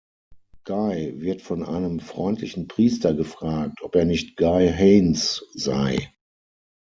Guy wird von einem freundlichen Priester gefragt, ob er nicht Guy Haines sei.